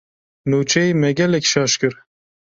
Nûçeyê, me gelekî şaş kir.